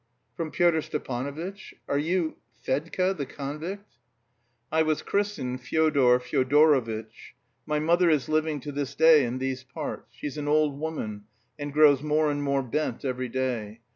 "From Pyotr Stepanovitch? Are you... Fedka the convict?" "I was christened Fyodor Fyodorovitch. My mother is living to this day in these parts; she's an old woman, and grows more and more bent every day.